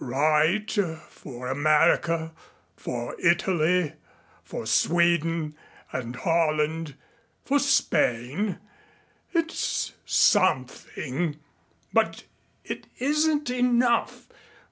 Write, for America for Italy for Sweden and Holland for Spain. It's something, but it isn't enough.